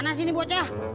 mana sih ini bocah